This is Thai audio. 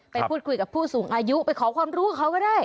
ไปพูดคุยกับผู้สูงอายุไปขอความรู้กับเขาก็ได้